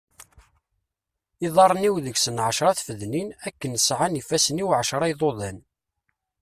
Iḍarren-iw deg-sen εecra tfednin akken sεan ifassen-iw εecra iḍuḍan.